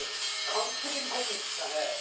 完璧にコピーしてたね。